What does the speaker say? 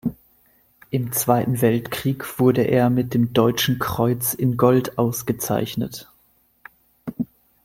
Im Zweiten Weltkrieg wurde er mit dem Deutschen Kreuz in Gold ausgezeichnet.